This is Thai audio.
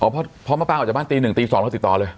พอมะป้าออกจากบ้านตี๑ตี๒เขาติดต่อเลย